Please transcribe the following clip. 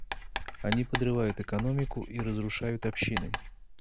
Они подрывают экономику и разрушают общины.